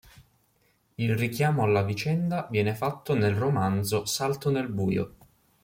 Il richiamo alla vicenda viene fatto nel romanzo Salto nel buio